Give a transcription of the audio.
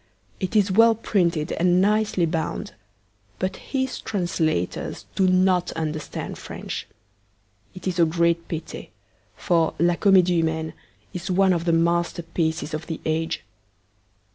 It is well printed and nicely bound; but his translators do not understand French. It is a great pity, for La Comedie Humaine is one of the masterpieces of the age.